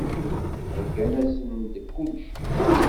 Heyyan-asen-d kulci.